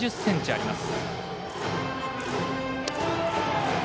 １ｍ８０ｃｍあります。